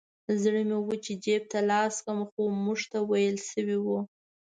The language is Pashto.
زړه مې و چې جیب ته لاس کړم خو موږ ته ویل شوي وو.